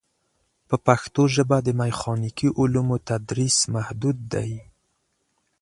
په پښتو ژبه د میخانیکي علومو تدریس محدود دی.